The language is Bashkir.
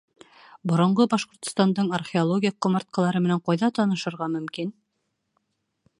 Боронғо Башҡортостандың археологик ҡомартҡылары менән ҡайҙа танышырға мөмкин?